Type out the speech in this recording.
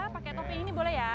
pakai topping ini boleh ya